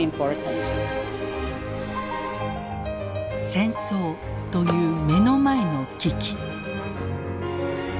戦争という目の前の危機。